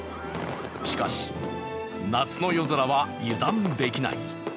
しかし、夏の夜空は油断できない。